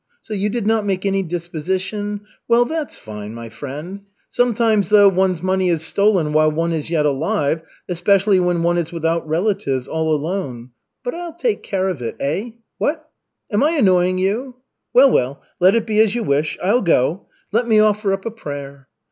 So you did not make any disposition? Well, that's fine, my friend. Sometimes, though, one's money is stolen while one is yet alive, especially when one is without relatives, all alone. But I'll take care of it. Eh? What? Am I annoying you? Well, well, let it be as you wish. I'll go. Let me offer up a prayer."